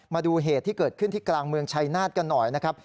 มาดูเหตุที่เกิดขึ้นที่กลางเมืองชัยนาธกันหน่อยนะครับ